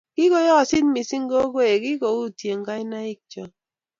kikuyositu mising' gogoe kikuyutie kainaik cho